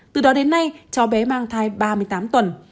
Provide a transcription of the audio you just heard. từ đó đến nay cháu bé mang thai ba mươi tám tuần